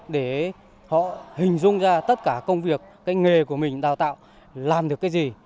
để họ hình dung ra tất cả công việc cái nghề của mình đào tạo làm được cái gì